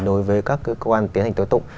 đối với các cơ quan tiến hành tổ tụ